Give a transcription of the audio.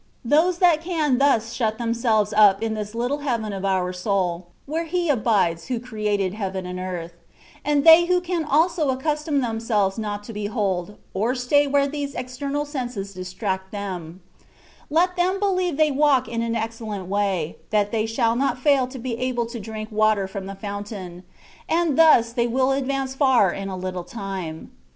Those that can thus shut themselves up in this little heaven of our soul, where He abides who created heaven and earth ; and they who can also accustom themselves not to behold^ or stay where these exterior senses distract them, let them believe that they walk in an excellent way, and that they shall not fail of being able to drink water firom the fountain, and thus they will advance £ar in a little time.